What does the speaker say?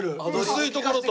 薄いところと。